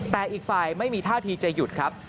แต่อีกฝ่ายไม่มีท่าทีจะหยุดครับ